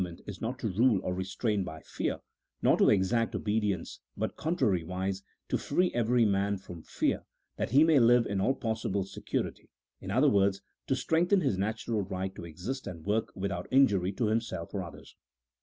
259 merit is not to rule, or restrain, by fear, nor to exact obe dience, but contrariwise, to free every man from fear, that lie may live in all possible security ; in other words, to strengthen his natural right to exist and work without injury to himself or others.